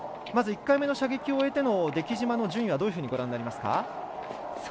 １回目の射撃を終えての出来島の順位はどういうふうにご覧になりますか。